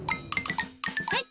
はい！